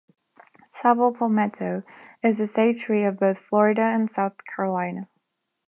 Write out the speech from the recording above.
"Sabal palmetto" is the State Tree of both Florida and South Carolina.